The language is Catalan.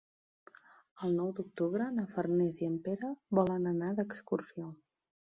El nou d'octubre na Farners i en Pere volen anar d'excursió.